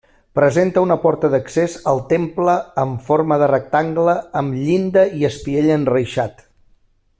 Presenta una porta d'accés al temple amb forma de rectangle amb llinda i espiell enreixat.